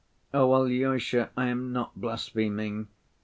Oh, Alyosha, I am not blaspheming!